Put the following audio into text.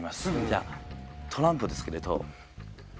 じゃあトランプですけれど。